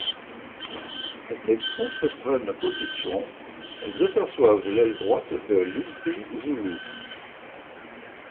Comme les troupes prennent position, elles aperçoivent l'aile droite de l'impi zoulou.